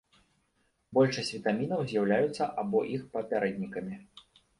Большасць вітамінаў з'яўляюцца або іх папярэднікамі.